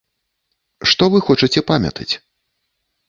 Што вы хочаце памятаць?